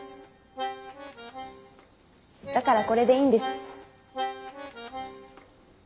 だからこれでいいんです。